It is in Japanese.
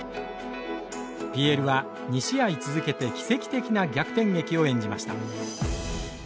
ＰＬは２試合続けて奇跡的な逆転劇を演じました。